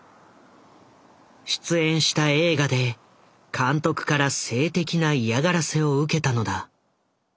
出演した映画で監督から性的な嫌がらせを受けたのだ。